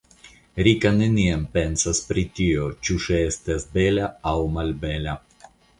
Rika neniam pensas pri tio, ĉu ŝi estas bela aŭ melbela.